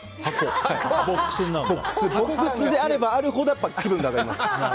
ボックスであればあるほど気分が上がります。